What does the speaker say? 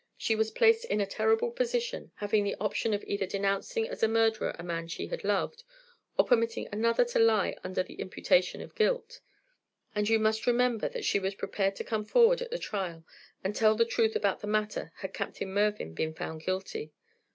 She was placed in a terrible position, having the option of either denouncing as a murderer a man she had loved, or permitting another to lie under the imputation of guilt. And you must remember that she was prepared to come forward at the trial and tell the truth about the matter had Captain Mervyn been found guilty.